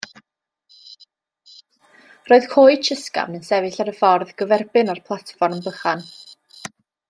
Roedd coetsh ysgafn yn sefyll ar y ffordd gyferbyn â'r platfform bychan.